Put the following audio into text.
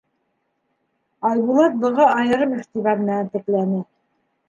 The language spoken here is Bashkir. Айбулат быға айырым иғтибар менән текләне.